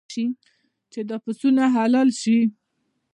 چې دا پسونه حلال شي.